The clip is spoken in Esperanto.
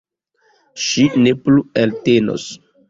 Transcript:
Ŝi ne plu eltenos.